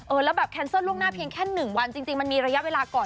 แล้วแบบแคนเซิลล่วงหน้าเพียงแค่๑วันจริงมันมีระยะเวลาก่อน